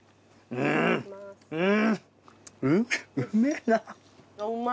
うんうん。